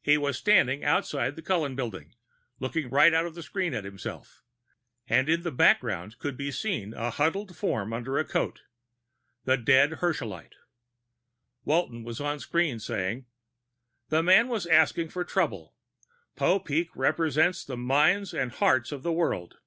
He was standing outside the Cullen Building, looking right out of the screen at himself, and in the background could be seen a huddled form under a coat. The dead Herschelite. Walton of the screen was saying, "... The man was asking for trouble. Popeek represents the minds and hearts of the world.